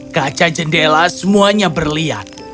kaca jendela semuanya berlihat